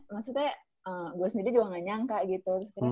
maksudnya gua sendiri juga gak nyangka gitu